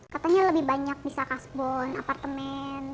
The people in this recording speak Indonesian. katanya lebih banyak bisa kasbon apartemen